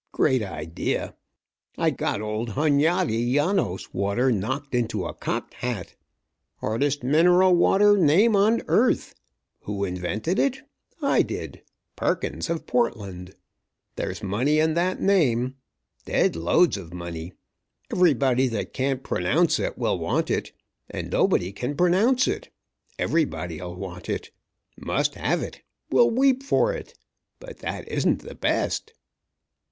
Great idea. Got old Hunyadi Janos water knocked into a cocked hat. Hardest mineral water name on earth. Who invented it? I did. Perkins of Portland. There's money in that name. Dead loads of money. Everybody that can't pronounce it will want it, and nobody can pronounce it everybody'll want it. Must have it. Will weep for it. But that isn't the best!"